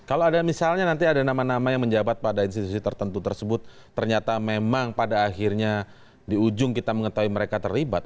kalau ada misalnya nanti ada nama nama yang menjabat pada institusi tertentu tersebut ternyata memang pada akhirnya di ujung kita mengetahui mereka terlibat